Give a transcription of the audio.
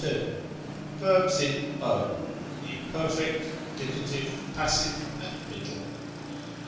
§32. Verbs in q@, in the imperfect, indicative, passive (and middle).